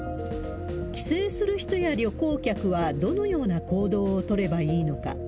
帰省する人や旅行客はどのような行動を取ればいいのか。